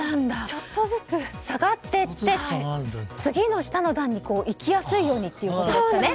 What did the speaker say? ちょっとずつ下がっていって次の下の段にいきやすいようにということですよね。